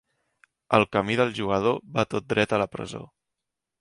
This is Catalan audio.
El camí del jugador va tot dret a la presó.